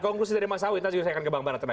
konklusi dari mas nawi nanti saya akan ke bank barat